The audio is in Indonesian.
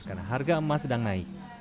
karena harga emas sedang naik